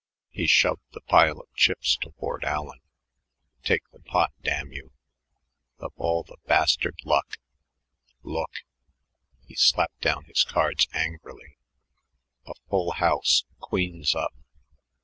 He shoved the pile of chips toward Allen. "Take the pot, damn you. Of all the bastard luck. Look!" He slapped down his cards angrily. "A full house, queens up.